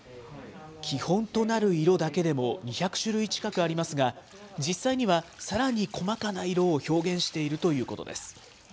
基本となる色だけでも２００種類近くありますが、実際にはさらに細かな色を表現しているということです。